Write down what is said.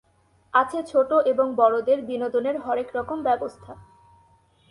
আছে ছোট এবং বড়দের বিনোদনের হরেক রকম ব্যবস্থা।